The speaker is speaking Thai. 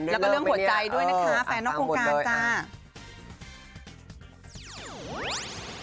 แล้วก็เรื่องหัวใจด้วยนะคะแฟนนอกวงการจ้า